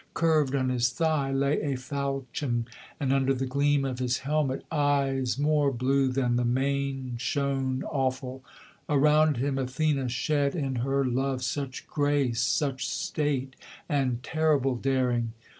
Curved on his thigh lay a falchion, and under the gleam of his helmet Eyes more blue than the main shone awful; around him Athene Shed in her love such grace, such state, and terrible daring.